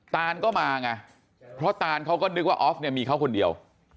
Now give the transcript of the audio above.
ตานก็มาไงเพราะตานเขาก็นึกว่าออฟเนี่ยมีเขาคนเดียว